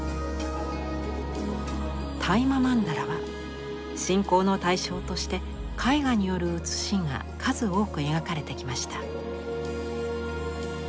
「當麻曼荼羅」は信仰の対象として絵画による写しが数多く描かれてきました。